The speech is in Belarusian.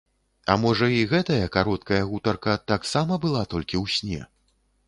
А можа, і гэтая кароткая гутарка таксама была толькі ў сне?